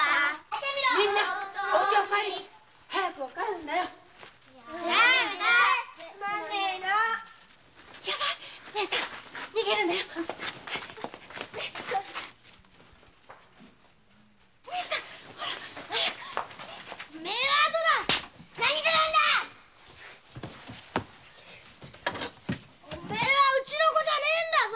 てめえはうちの子じゃねえんだぞ。